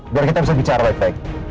biar kita bisa bicara baik baik